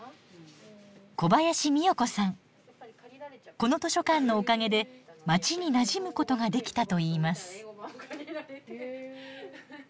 この図書館のおかげで街になじむことができたといいます。